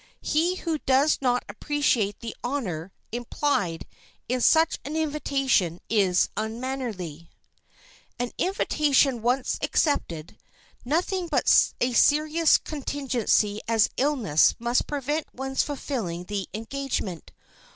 He who does not appreciate the honor implied in such an invitation is unmannerly. [Sidenote: ALWAYS ARRIVE ON TIME] An invitation once accepted, nothing but such a serious contingency as illness must prevent one's fulfilling the engagement.